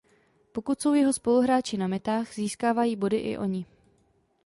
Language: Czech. Pokud jsou jeho spoluhráči na metách získávají body i oni.